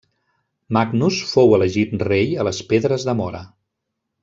Magnus fou elegit rei a les Pedres de Mora.